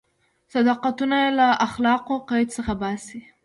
صداقتونه یې له اخلاقو له قید څخه باسي.